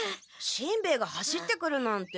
しんべヱが走ってくるなんて。